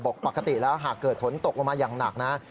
ปกติแล้วหากเกิดฝนตกลงมาอย่างหนักนะ